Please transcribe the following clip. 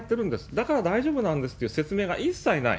だから大丈夫なんですっていう説明が一切ない。